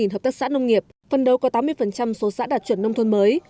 ba mươi năm hợp tác xã nông nghiệp phần đầu có tám mươi số xã đạt chuẩn nông thuận mới